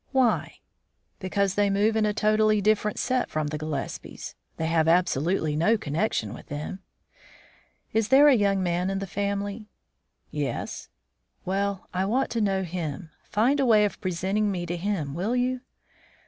"Why?" "Because they move in a totally different set from the Gillespies. They have absolutely no connection with them." "Is there a young man in the family?" "Yes." "Well, I want to know him. Find a way of presenting me to him, will you?"